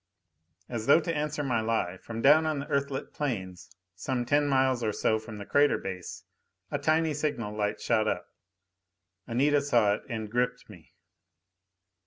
_ As though to answer my lie, from down on the Earthlit plains, some ten miles or so from the crater base, a tiny signal light shot up. Anita saw it and gripped me.